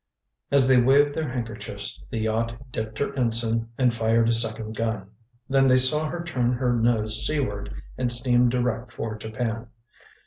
As they waved their handkerchiefs, the yacht dipped her ensign, and fired a second gun. Then they saw her turn her nose seaward and steam direct for Japan.